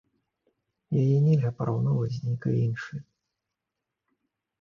Яе нельга параўноўваць з нейкай іншай.